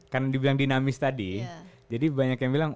karena dibilang dinamis tadi jadi banyak yang bilang